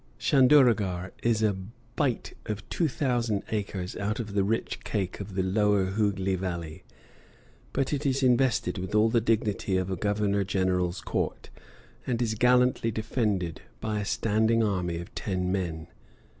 Chanderuagor is a bite of two thousand acres out of the rich cake of the lower Hooghli Valley; but it is invested with all the dignity of a governor general's court, and is gallantly defended by a standing army of ten men.